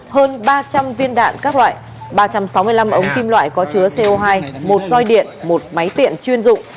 hơn ba trăm linh viên đạn các loại ba trăm sáu mươi năm ống kim loại có chứa co hai một roi điện một máy tiện chuyên dụng